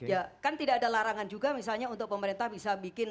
ya kan tidak ada larangan juga misalnya untuk pemerintah bisa bikin kapal kapal ini